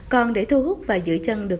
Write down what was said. còn để thu hút và giữ chân được